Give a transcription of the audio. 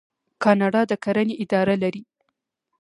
کاناډا د کرنې اداره لري.